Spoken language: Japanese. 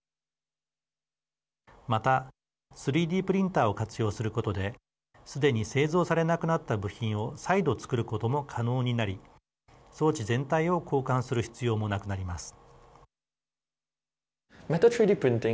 また３Ｄプリンターを活用することですでに製造されなくなった部品を再度、つくることも可能になり装置全体を交換する必要もなくなります。